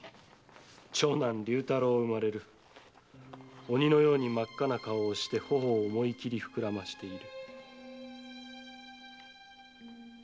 長男・竜太郎産まれる」「鬼のように真っ赤な顔をして頬を思いきり膨らませている」